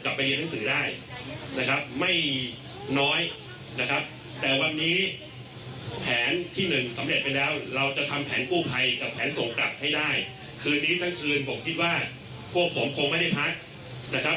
กลับไปเรียนหนังสือได้นะครับ